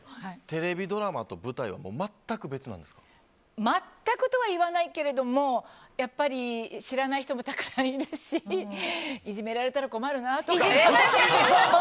テレビドラマと舞台は全くとは言わないけれどもやっぱり知らない人もたくさんいるしそっちの理由ですか？